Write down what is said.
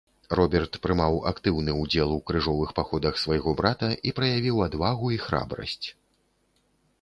Роберт прымаў актыўны ўдзел у крыжовых паходах свайго брата і праявіў адвагу і храбрасць.